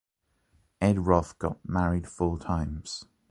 Ed Roth got married four times.